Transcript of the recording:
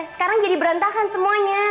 sekarang jadi berantakan semuanya